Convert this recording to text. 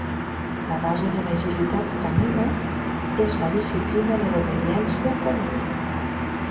La base de l'agilitat canina és la disciplina de l'obediència canina.